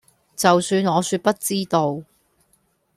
就算我說不知道